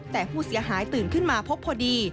แต่ผู้เสียหายตื่นขึ้นมาพบพอดี